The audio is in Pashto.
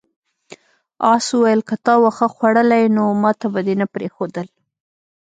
آس وویل که تا واښه خوړلی نو ماته به دې نه پریښودل.